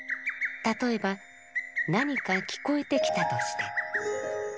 例えば何か聞こえてきたとして。